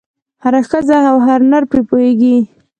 هره ښځه او هر نر پرې پوهېږي.